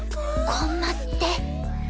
コンマスって？